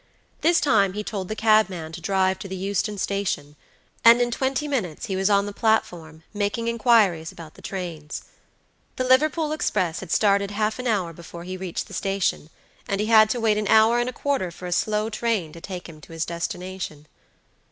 This time he told the cabman to drive to the Euston Station, and in twenty minutes he was on the platform, making inquiries about the trains. The Liverpool express had started half an hour before he reached the station, and he had to wait an hour and a quarter for a slow train to take him to his destination.